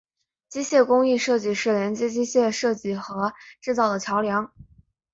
机械工艺设计是连接机械设计和制造的桥梁。